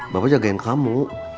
bapak jagain kamu